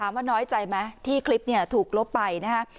ว่าน้อยใจไหมที่คลิปถูกลบไปนะฮะ